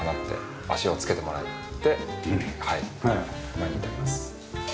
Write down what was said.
今に至ります。